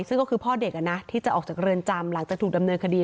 ซึ่งก็คือพ่อเด็กที่จะออกจากเรือนจำหลังจากถูกดำเนินคดี